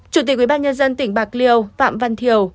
chủ tịch ủy ban nhân dân tỉnh bạc liêu phạm văn thiều